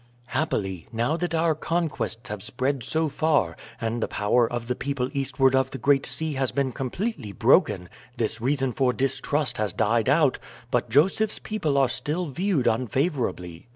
"Happily, now that our conquests have spread so far, and the power of the people eastward of the Great Sea has been completely broken, this reason for distrust has died out, but Joseph's people are still viewed unfavorably.